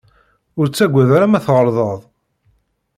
Ur ttaggad ara ma tɣelḍeḍ.